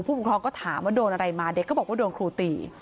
ปกครองก็ถามว่าโดนอะไรมาเด็กก็บอกว่าโดนครูตี